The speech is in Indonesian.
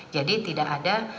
jadi tidak ada lupa lupa